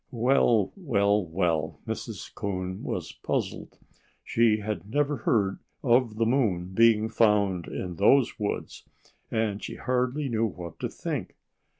"Well, well, well!" Mrs. Coon was puzzled. She had never heard of the moon being found in those woods; and she hardly knew what to think.